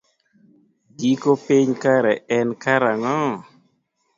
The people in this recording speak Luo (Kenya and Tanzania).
Giko piny kare en karang'o?